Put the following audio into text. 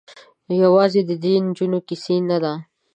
یوازې د دې نجونو کيسه نه ده.